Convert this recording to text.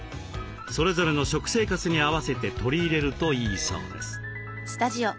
それぞれの食生活に合わせて取り入れるといいそうです。